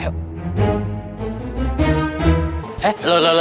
kalian pada mau kemana